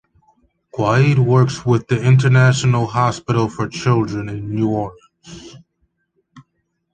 Quaid works with the International Hospital for Children in New Orleans.